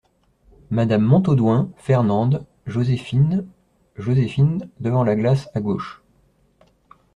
Madame Montaudoin, Fernande, Joséphine Joséphine , devant la glace, à gauche.